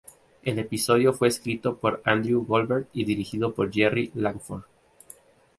El episodio fue escrito por Andrew Goldberg y dirigido por Jerry Langford.